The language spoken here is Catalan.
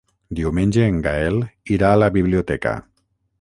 Diumenge en Gaël irà a la biblioteca.